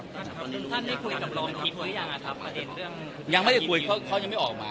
ส่วนนี้ท่านได้คุยกับรองนอกสมพุยอย่างอะครับงั้นไม่ได้คุยกับคุยยังไม่ออกมา